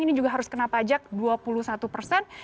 ini juga harus kena pajak dua puluh satu persen